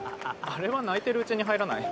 あれは泣いてるうちに入らない。